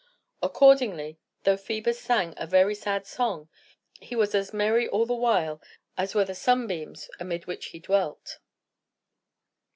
Accordingly, though Phœbus sang a very sad song, he was as merry all the while as were the sunbeams amid which he dwelt.